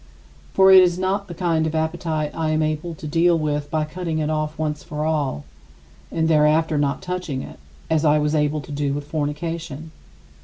For it is not the kind of appetite I am able to deal with by cutting it off once for all, and thereafter not touching it, as I was able to do with fornication.